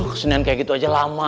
kesenian kayak gitu aja lama